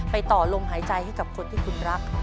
ต่อลมหายใจให้กับคนที่คุณรัก